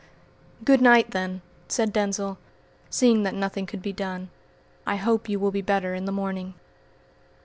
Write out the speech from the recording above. "Good night, then," said Denzil, seeing that nothing could be done. "I hope you will be better in the morning."